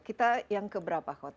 kita yang ke berapa kota